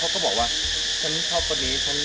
ทำมาเข้าใส่นังก็นิ่งเลย